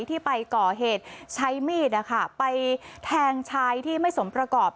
ที่ไปก่อเหตุใช้มีดไปแทงชายที่ไม่สมประกอบ